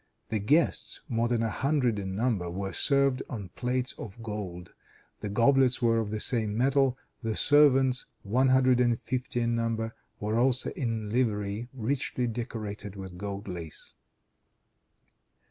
The guests, more than a hundred in number, were served on plates of gold. The goblets were of the same metal. The servants, one hundred and fifty in number, were also in livery richly decorated with gold lace.